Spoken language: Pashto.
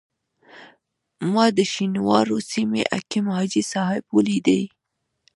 ما د شینوارو سیمې حکیم حاجي صاحب ولیدی.